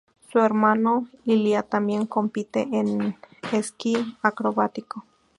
Su hermano Ilia tambien compite en esquí acrobático.